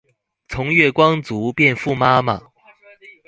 從月光族變富媽媽